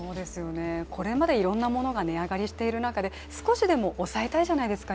これまでいろんなものが値上がりしている中で今、少しでも抑えたいじゃないですか。